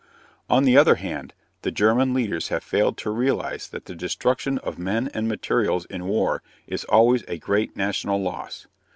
On the other hand, the German leaders have failed to realize that the destruction of men and materials in war is always a great national loss.